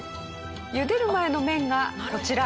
茹でる前の麺がこちら。